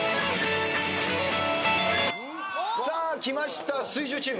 さあきました水１０チーム。